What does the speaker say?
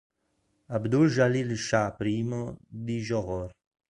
Abdul Jalil Shah I di Johor